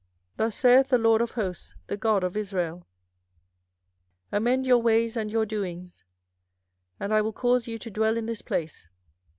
24:007:003 Thus saith the LORD of hosts, the God of Israel, Amend your ways and your doings, and I will cause you to dwell in this place.